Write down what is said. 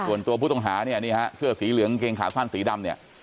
ส่วนตัวผู้ต้องหาเนี่ยนี่ฮะเสื้อสีเหลืองเกงขาสั้นสีดำเนี่ย